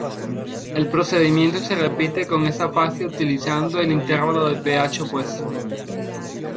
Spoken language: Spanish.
El procedimiento se repite con esta fase utilizando el intervalo de pH opuesto.